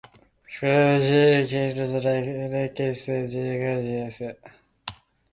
ふぇ ｒｖｆｒｖｊ きえ ｖ へ ｒｊｃｂ れ ｌｈｃ れ ｖ け ｒｊ せ ｒｋｖ じぇ ｓ